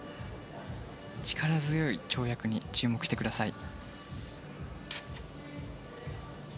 力強い跳躍に注目してください。